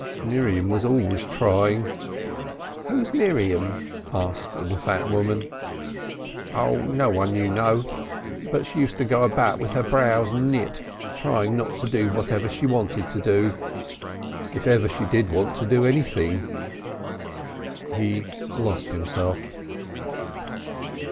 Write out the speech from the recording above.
Miriam was always trying." "Who was Miriam?" asked the fat woman. "No one you know. But she used to go about with her brows knit trying not to do whatever she wanted to do if ever she did want to do anything " He lost himself.